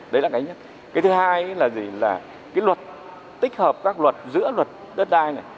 đấy là cái nhất cái thứ hai là gì là cái luật tích hợp các luật giữa luật đất đai này